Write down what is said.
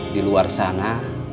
di luar sana